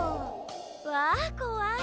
わこわい。